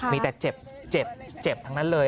มีแต่เจ็บเจ็บทั้งนั้นเลย